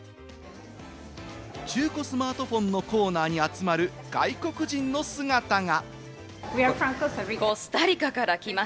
中古スマートフォンのコーナーに集まる外国人の姿が。